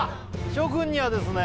諸君にはですね